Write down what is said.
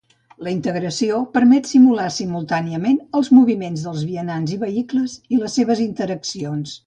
La integració permet simular simultàniament els moviments dels vianants i vehicles, i les seves interaccions.